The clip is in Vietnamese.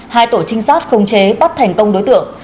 hai tổ trinh sát khống chế bắt thành công đối tượng